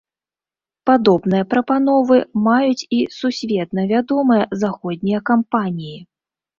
Падобныя прапановы маюць і сусветна вядомыя заходнія кампаніі.